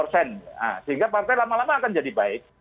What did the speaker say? sehingga partai lama lama akan jadi baik